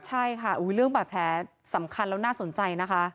ใช่ค่ะเรื่องบาดแผลสำคัญแล้วน่าสนใจนะคะ